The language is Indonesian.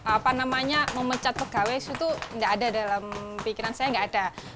apa namanya memecat pegawai itu tidak ada dalam pikiran saya nggak ada